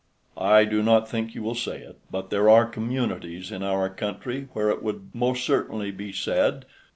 I do not think you will say it, but there are communities in our country where it would most certainly be said.